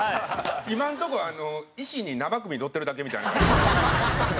今のとこ石に生首のってるだけみたいな。